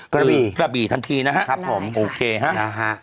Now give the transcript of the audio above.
กระบี่กระบี่ทันทีนะฮะครับผมโอเคนะฮะ